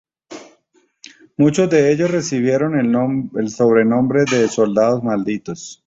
Muchos de ellos recibieron el sobrenombre de "soldados malditos".